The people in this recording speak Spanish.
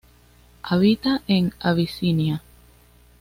Habita en Abisinia.